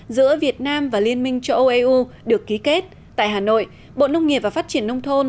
giữa việt nam và liên minh châu âu eu được ký kết tại hà nội bộ nông nghiệp và phát triển nông thôn